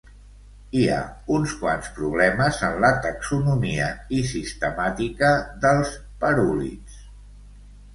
Hi ha uns quants problemes en la taxonomia i sistemàtica dels parúlids.